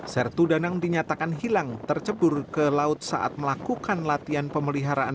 sertu danang dinyatakan hilang tercebur ke laut saat melakukan latihan pemeliharaan